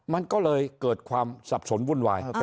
มันก็เลยเกิดความสับสนวุ่นวาย